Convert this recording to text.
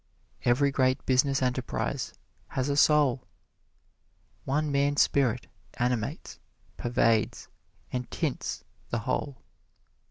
Every great business enterprise has a soul one man's spirit animates, pervades and tints the whole.